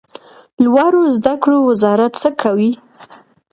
لوړو زده کړو وزارت څه کوي؟